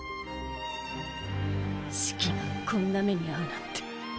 シキがこんな目に遭うなんて。